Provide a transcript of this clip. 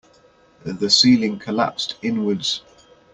The ceiling collapsed inwards.